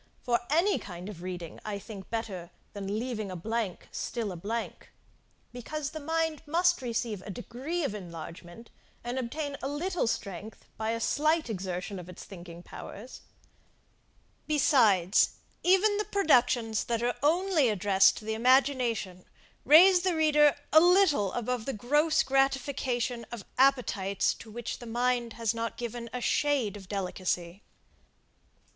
For any kind of reading I think better than leaving a blank still a blank, because the mind must receive a degree of enlargement, and obtain a little strength by a slight exertion of its thinking powers; besides, even the productions that are only addressed to the imagination, raise the reader a little above the gross gratification of appetites, to which the mind has not given a shade of delicacy.